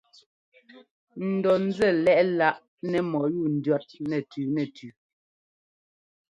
N dɔ ńzɛ́ lɛ́ꞌ láꞌ nɛ mɔ́yúu ndʉ̈ɔt nɛtʉ nɛtʉ.